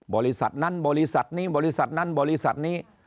บริษัทนั้นบริษัทนี้บริษัทนั้นบริษัทนี้